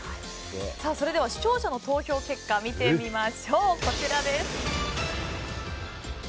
それでは、視聴者の投票結果見てみましょう。